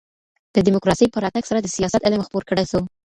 د ډيموکراسۍ په راتګ سره د سياست علم خپور کړل سو.